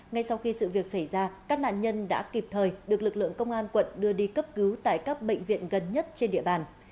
ngay sau khi sự việc xảy ra các nạn nhân đã kịp thời được lực lượng công an quận đưa đi cấp cứu tại các bệnh viện gần nhất trên địa bàn